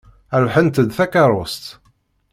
Rebḥent-d takeṛṛust.